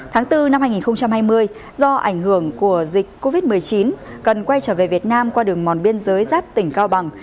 tháng bốn năm hai nghìn hai mươi do ảnh hưởng của dịch covid một mươi chín cần quay trở về việt nam qua đường mòn biên giới giáp tỉnh cao bằng